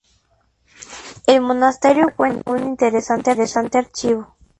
El monasterio cuenta con un interesante archivo.